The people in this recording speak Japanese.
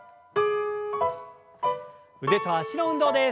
腕と脚の運動です。